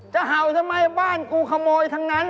เห่าทำไมบ้านกูขโมยทั้งนั้น